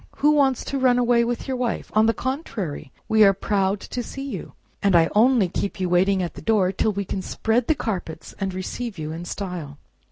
Who wants to run away with your wife? On the contrary, we are proud to see you, and I only keep you waiting at the door till we can spread the carpets, and receive you in style."